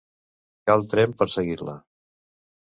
Cal tremp per seguir-la.